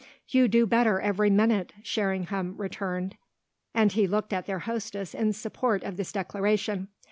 "You do better every minute!" Sherringham returned and he looked at their hostess in support of this declaration.